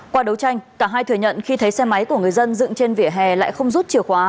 qua đấu tranh cả hai thừa nhận khi thấy xe máy của người dân dựng trên vỉa hè lại không rút chìa khóa